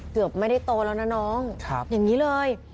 เกือบไม่ได้โตแล้วนะน้องอย่างนี้เลย